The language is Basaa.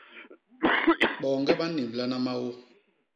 Boñge ba nnimblana maô.